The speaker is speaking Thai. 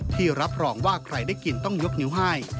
ที่รับรองว่าใครได้กินต้องยกนิ้วให้